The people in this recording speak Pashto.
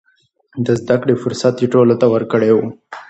د زده کړې فرصت يې ټولو ته ورکړی و.